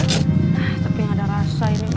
tapi gaada rasa ini